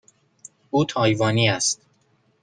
او تایوانی است.